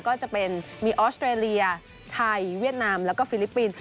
ก็จะเป็นมีออสเตรเลียไทยเวียดนามแล้วก็ฟิลิปปินส์